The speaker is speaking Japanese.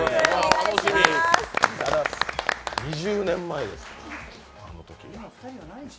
２０年前ですから。